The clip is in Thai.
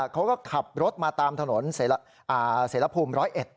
เขาก็ขับรถมาตามถนนเสรภูมิ๑๐๑